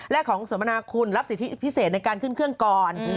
และของสมนาคุณรับสิทธิพิเศษในการขึ้นเครื่องก่อน